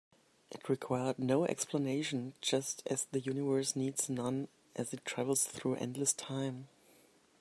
It required no explanation, just as the universe needs none as it travels through endless time.